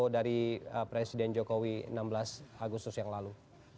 dari presiden jokowi enam belas agustus yang lalu